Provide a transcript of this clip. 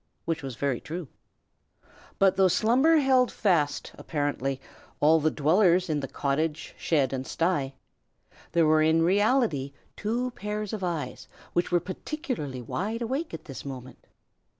Which was very true. But though slumber held fast, apparently, all the dwellers in cottage, shed, and sty, there were in reality two pairs of eyes which were particularly wide awake at this moment.